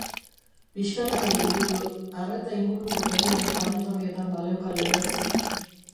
Pixkanaka bildu du, arreta inguruko jendearen joan-etorrietan baleuka legez.